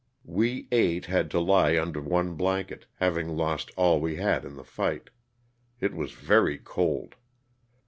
We eight had to lie under one blanket, having lost all we had in the fight. It was very cold.